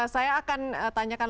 saya akan tanyakan